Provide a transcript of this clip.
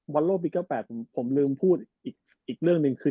วันโลวิคเก้าแปดผมภูมิอีกอีกเรื่องหนึ่งคือ